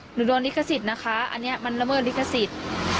โดนลิขสิทธิ์นะคะอันนี้มันละเมิดลิขสิทธิ์